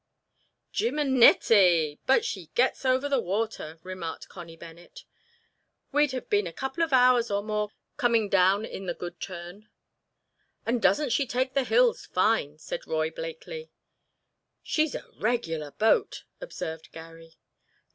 "Jimin ety! But she gets over the water!" remarked Connie Bennet. "We'd have been a couple of days or more coming down in the Good Turn." "And doesn't she take the hills fine!" said Roy Blakeley. "She's a regular boat," observed Garry.